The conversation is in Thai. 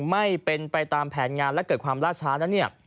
ไม่เป็นไปตามแผนงานและเกิดความล่าช้านั้นเนี่ย